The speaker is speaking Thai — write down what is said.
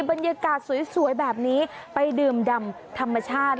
บรรยากาศสวยแบบนี้ไปดื่มดำธรรมชาติ